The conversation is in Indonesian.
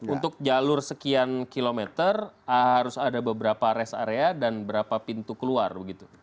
untuk jalur sekian kilometer harus ada beberapa rest area dan berapa pintu keluar begitu